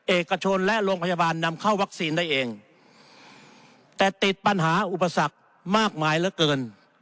เอกชนและโรงพยาบาลนำเข้าวัคซีนได้เองแต่ติดปัญหาอุปสรรคมากมายเหลือเกิน